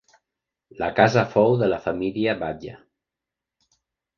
La casa fou de la família Batlle.